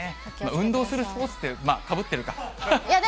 運動するスポーツって、まあ、かぶってるか。